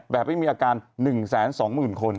แบบไม่มีอาการ๑แสน๒หมื่นคน